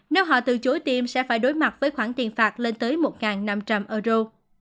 nếu họ từ chối tiêm sẽ phải đối mặt với khoản tiền phạt lên tới một năm trăm linh euro